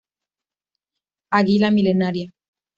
Águila Milenaria.